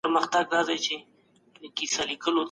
ولې په سياست کي ايډيالوژي دومره مهمه ده؟